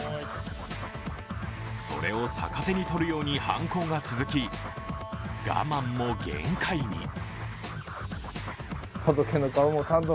それを逆手に取るように犯行が続き、我慢も限界に。